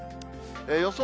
予想